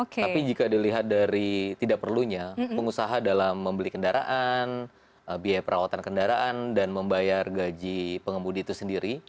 tapi jika dilihat dari tidak perlunya pengusaha dalam membeli kendaraan biaya perawatan kendaraan dan membayar gaji pengemudi itu sendiri